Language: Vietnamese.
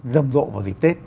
rầm rộ vào dịp tết